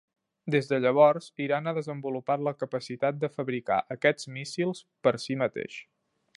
Des de llavors, Iran ha desenvolupat la capacitat de fabricar aquests míssils per si mateix.